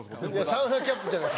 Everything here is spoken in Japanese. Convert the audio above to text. サウナキャップじゃない。